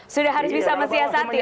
sudah harus bisa mesiasati